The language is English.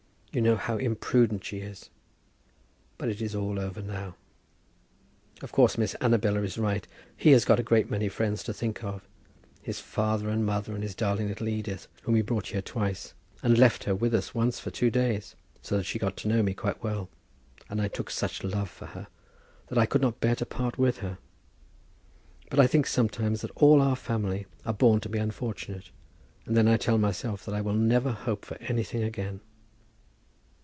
You know how imprudent she is. But it is all over now. Of course Miss Annabella is right. He has got a great many people to think of; his father and mother, and his darling little Edith, whom he brought here twice, and left her with us once for two days, so that she got to know me quite well; and I took such a love for her, that I could not bear to part with her. But I think sometimes that all our family are born to be unfortunate, and then I tell myself that I will never hope for anything again.